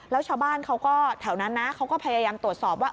แล้วชาวบ้านเขาก็แถวนั้นนะเขาก็พยายามตรวจสอบว่า